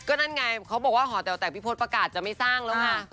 ก็นั่นไงเขาบอกว่าหอแต๋วแตกพี่พศประกาศจะไม่สร้างแล้วค่ะ